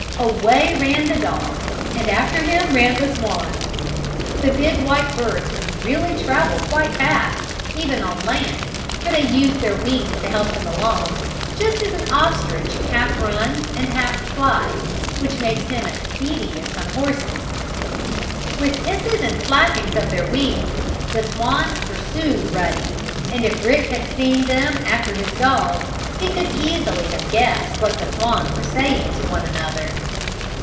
Away ran the dog and after him ran the swans. The big, white birds could really travel quite fast, even on land, for they used their wings to help themselves along, just as an ostrich half runs and half flies, which makes him as speedy as some horses. With hisses and flappings of their wings, the swans pursued Ruddy, and if Rick had seen them after his dog he could easily have guessed what the swans were saying to one another.